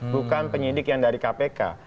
bukan penyidik yang dari kpk